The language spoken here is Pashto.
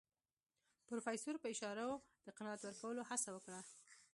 پروفيسر په اشارو د قناعت ورکولو هڅه وکړه.